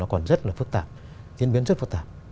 còn rất là phức tạp diễn biến rất phức tạp